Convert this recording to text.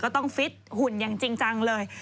ต้องฟิตหุ่นอย่างจริงจังเลย